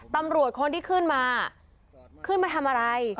ตำรวจคนที่ขึ้นมาขึ้นมาทำอะไร